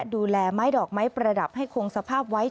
ดูแลไม้ดอกไม้ประดับให้คงสภาพไว้